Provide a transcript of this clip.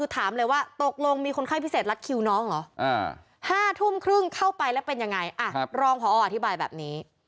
ตรงนี้คือตรงที่